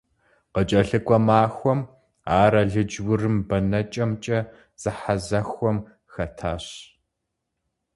КъыкӀэлъыкӀуэ махуэм ар алыдж-урым бэнэкӀэмкӀэ зэхьэзэхуэм хэтащ.